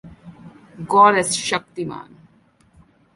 God as "shaktiman".